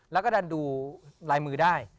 แล้วก็ดันดูลายมือได้